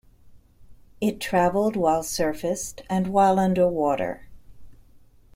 It traveled while surfaced and while under water.